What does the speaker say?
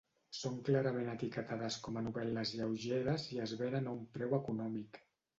Són clarament etiquetades com a novel·les lleugeres i es venen a un preu econòmic.